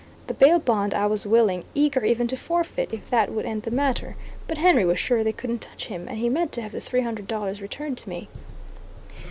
The bail bond I was willing, eager even to forfeit, if that would end the matter. But Henry was sure they couldn't touch him, and he meant to have the three hundred dollars returned to me.